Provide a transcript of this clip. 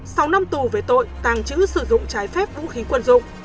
sáu năm tù về tội tàng trữ sử dụng trái phép vũ khí quân dụng